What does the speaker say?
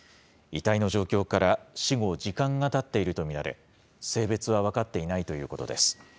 遺体の状況から、死後時間がたっていると見られ、性別は分かっていないということです。